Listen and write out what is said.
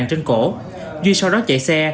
trên cổ duy sau đó chạy xe